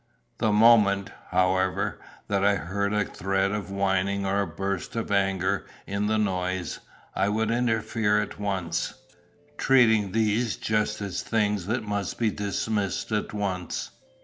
The moment, however, that I heard a thread of whining or a burst of anger in the noise, I would interfere at once treating these just as things that must be dismissed at once.